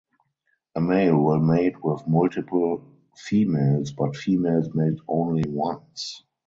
A male will mate with multiple females but females mate only once.